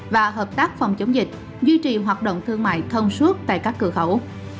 và hợp tác phòng chống dịch duy trì hoạt động thương mại thông suốt tại các cửa khẩu